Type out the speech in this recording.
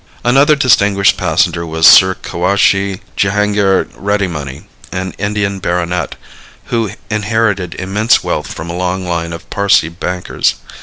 Another distinguished passenger was Sir Cowasji Jehangir Readymoney, an Indian baronet, who inherited immense wealth from a long line of Parsee bankers.